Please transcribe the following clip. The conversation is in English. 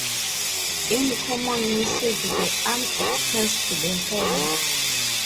In common usage the arm extends to the hand.